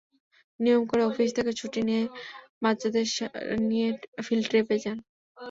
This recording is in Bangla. নিয়ম করে অফিস থেকে ছুটি নিয়ে বাচ্চাদের নিয়ে ফিল্ড ট্রিপে যান।